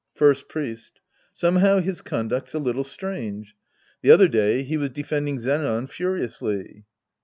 First Priest. Somehow his conduct's a little strange. The other day, he was defending Zenran furiously.